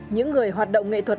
những người hoạt động nghệ thuật